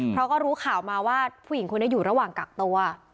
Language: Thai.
เพราะก็รู้ข่าวมาว่าผู้หญิงคนนี้อยู่ระหว่างกักตัว